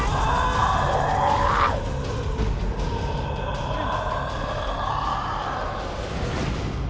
เฮ้ย